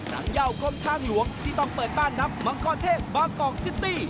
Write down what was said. นักเย่ากรมทางหลวงที่ต้องเปิดบ้านนับมังกรเทพบางกอกซิตี้